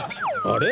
あれ？